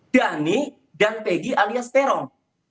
dhani dan peggy alias terong